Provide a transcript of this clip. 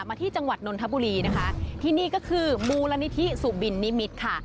ที่จังหวัดนนทบุรีนะคะที่นี่ก็คือมูลนิธิสุบินนิมิตรค่ะ